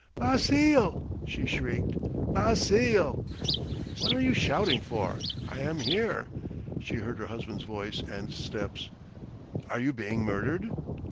"Basile!" she shrieked, "Basile!" "What are you shouting for? I am here." She heard her husband's voice and steps. "Are you being murdered?"